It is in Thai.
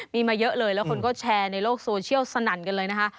มีมาเยอะเลยแล้วคนก็แชร์ในโลกโซเชียลสนั่นกันเลยนะคะ